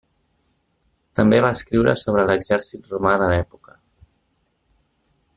També va escriure sobre l'exèrcit romà de l'època.